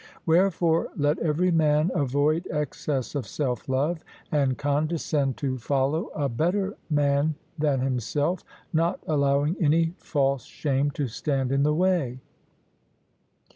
Wherefore let every man avoid excess of self love, and condescend to follow a better man than himself, not allowing any false shame to stand in the way.